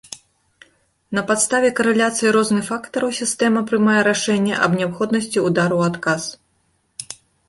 На падставе карэляцыі розных фактараў сістэма прымае рашэнне аб неабходнасці ўдару ў адказ.